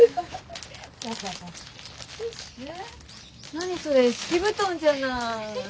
何それ敷き布団じゃない。